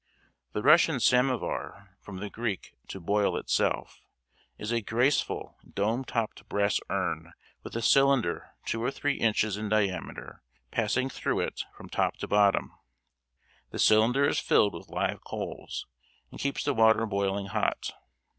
The Russian samovar from the Greek "to boil itself" is a graceful dome topped brass urn with a cylinder two or three inches in diameter passing through it from top to bottom. The cylinder is filled with live coals, and keeps the water boiling hot.